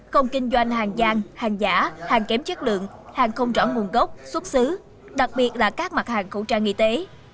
không kinh doanh hàng giang hàng giả hàng kém chất lượng hàng không rõ nguồn gốc xuất xứ đặc biệt là các mặt hàng khẩu trang y tế